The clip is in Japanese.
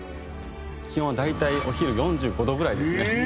気温は大体お昼４５度ぐらいですね。